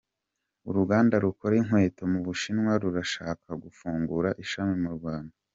Uruganda rukora inkweto mu Bushinwa rurashaka gufungura ishami mu Rwanda